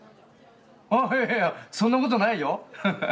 あいやいやそんなことないよ。